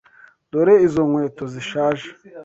Dore Izo nkweto zishaje.